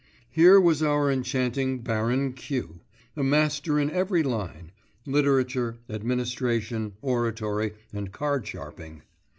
Here was our enchanting Baron Q., a master in every line: literature, administration, oratory, and card sharping.